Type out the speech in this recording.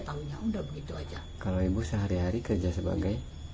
tahunya udah begitu aja kalau ibu sehari hari kerja sebagai